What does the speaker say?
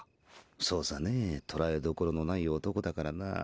そうさねぇ捉えどころのない男だからな。